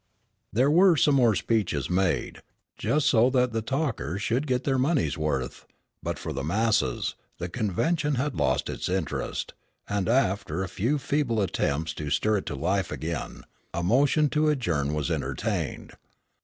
There were some more speeches made, just so that the talkers should get their money's worth; but for the masses, the convention had lost its interest, and after a few feeble attempts to stir it into life again, a motion to adjourn was entertained.